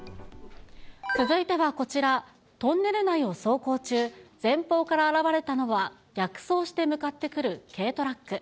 続いてはこちら、トンネル内を走行中、前方から現れたのは逆走して向かってくる軽トラック。